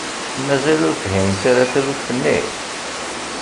Mazal ur fhiment ara taluft-nni?